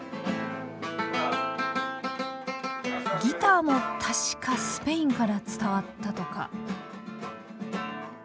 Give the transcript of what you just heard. ギターも確かスペインから伝わったとか。